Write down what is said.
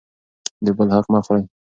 د بل حق مه خورئ.